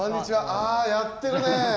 あやってるねえ。